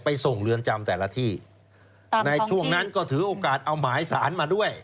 ส่งเรือนจำแต่ละที่ในช่วงนั้นก็ถือโอกาสเอาหมายสารมาด้วย